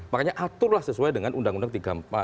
makanya aturlah sesuai dengan undang undang tiga puluh empat